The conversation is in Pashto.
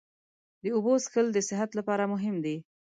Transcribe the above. د اوبو څښل د صحت لپاره مهم دي.